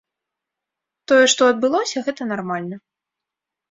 Тое, што адбылося, гэта нармальна.